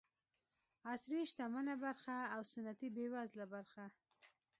عصري شتمنه برخه او سنتي بېوزله برخه.